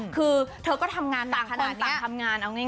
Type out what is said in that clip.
คือเธอก็ทำงานหนังขนาดนี้ต่างทำงานเอาง่าย